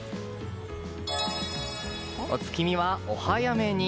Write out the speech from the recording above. お月見は、お早めに。